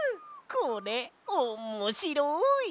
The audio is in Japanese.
これおもしろい！